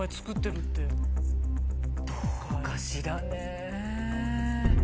どうかしらね。